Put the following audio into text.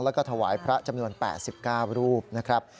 แล้วก็ถวายพระจำนวน๘๙รูปนะครับ